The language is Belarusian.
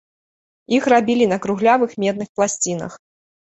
Іх рабілі на круглявых медных пласцінах.